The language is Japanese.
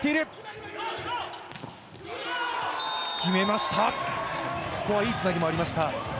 決めました、ここはいいつなぎもありました。